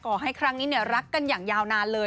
ขอให้ครั้งนี้รักกันอย่างยาวนานเลย